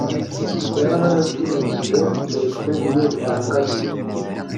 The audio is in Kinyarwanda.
byarajuririwe keretse iyo bibangamiye